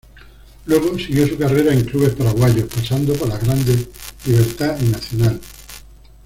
Luego siguió su carrera en clubes paraguayos, pasando por los grandes Libertad y Nacional.